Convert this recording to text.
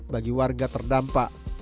bagi warga terdampak